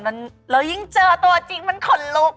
แล้วยิ่งเจอตัวจริงมันขนลุก